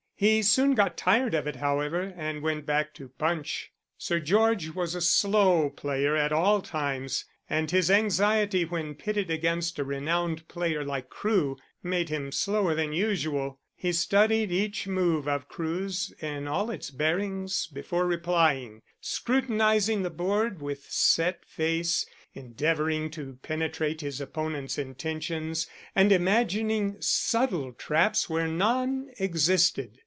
He soon got tired of it, however, and went back to Punch. Sir George was a slow player at all times, and his anxiety when pitted against a renowned player like Crewe made him slower than usual. He studied each move of Crewe's in all its bearings before replying, scrutinizing the board with set face, endeavouring to penetrate his opponent's intentions, and imagining subtle traps where none existed.